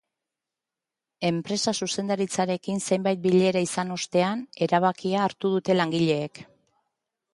Enpresa-zuzendaritzarekin zenbait bilera izan ostean erabakia hartu dute langileek.